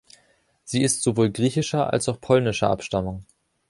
Sie ist sowohl griechischer als auch polnischer Abstammung.